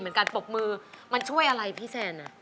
เหมือนการปบมือมันช่วยอะไรพี่แซน